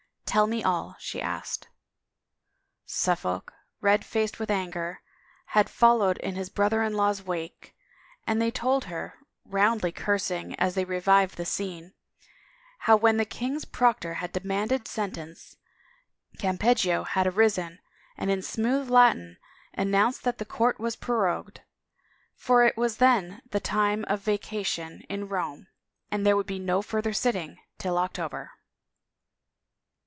" Tell me all," she asked. Suffolk, red faced with anger, had followed in his brother in law's wake, and they told her, roundly cursing as they revived the scene, how when the king's proctor had demanded sentence, Campeggio had arisen and in smooth Latin announced that the court was prorogued, for it was then the time of vacation in Rome and there would be no further sitting till October.